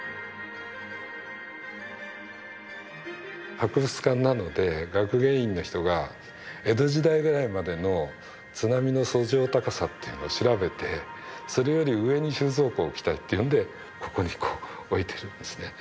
博物館なので学芸員の人が江戸時代ぐらいまでの津波の遡上高さっていうのを調べてそれより上に収蔵庫を置きたいっていうんでここにこう置いてるんですね。